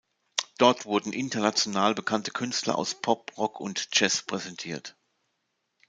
Dort wurden international bekannte Künstler aus Pop, Rock und Jazz präsentiert.